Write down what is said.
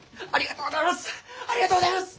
ありがとうございます！